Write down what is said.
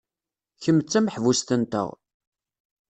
Kemm d tameḥbust-nteɣ.